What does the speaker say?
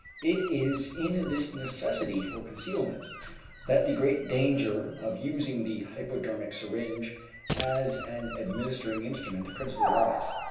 It is in this necessity for concealment that the great danger of using the hypodermic syringe as an administrating instrument principally lies.